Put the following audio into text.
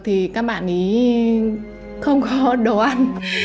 thì các bạn ý không có đồ ăn